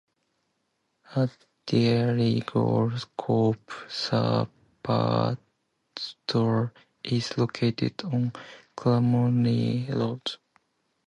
A Dairygold Co-op Superstore is located on Kilmoney Road.